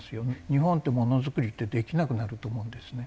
日本でものづくりってできなくなると思うんですね。